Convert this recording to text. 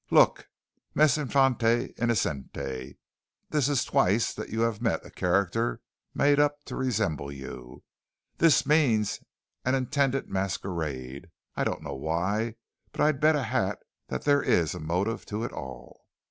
"Look, mes infante innocente, this is twice that you've met a character made up to resemble you. This means an intended masquerade. I don't know why. But I'll bet a hat that there is a motive to it all."